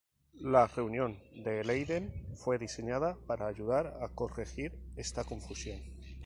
La reunión de Leiden fue diseñada para ayudar a corregir esta confusión.